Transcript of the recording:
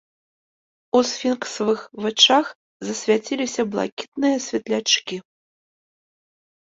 У сфінксавых вачах засвяціліся блакітныя светлячкі.